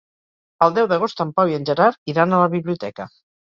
El deu d'agost en Pau i en Gerard iran a la biblioteca.